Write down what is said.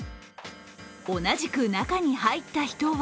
同じく中に入った人は